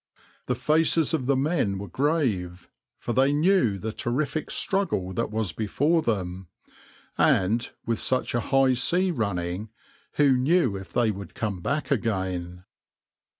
The faces of the men were grave, for they knew the terrific struggle that was before them, and, with such a high sea running, who knew if they would come back again?